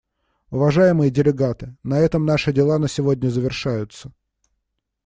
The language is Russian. Уважаемые делегаты, на этом наши дела на сегодня завершаются.